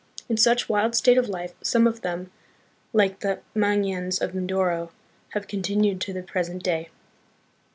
In such wild state of life, some of them, like the Mangyans of Mindoro, have continued to the present day.